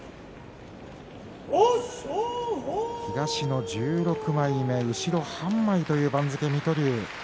東の１６枚目後ろ半枚という番付の水戸龍。